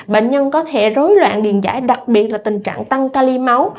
bệnh nhân có thể rối loạn điền giải đặc biệt là tình trạng tăng ca ly máu